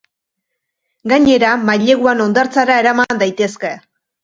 Gainera, maileguan hondartzara eraman daitezke.